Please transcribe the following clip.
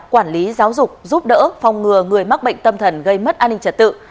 quản lý giáo dục giúp đỡ phòng ngừa người mắc bệnh tâm thần gây mất an ninh trật tự